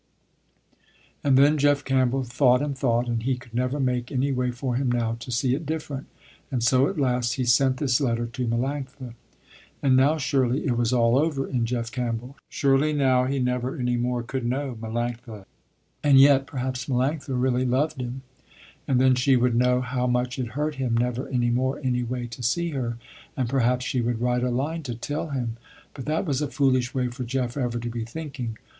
And then Jeff Campbell thought and thought, and he could never make any way for him now, to see it different, and so at last he sent this letter to Melanctha. And now surely it was all over in Jeff Campbell. Surely now he never any more could know Melanctha. And yet, perhaps Melanctha really loved him. And then she would know how much it hurt him never any more, any way, to see her, and perhaps she would write a line to tell him. But that was a foolish way for Jeff ever to be thinking.